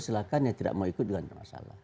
silahkan yang tidak mau ikut juga tidak masalah